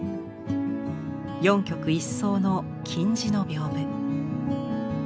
四曲一双の金地の屏風。